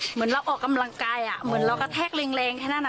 เหมือนเราออกกำลังกายเหมือนเรากระแทกแรงแค่นั้น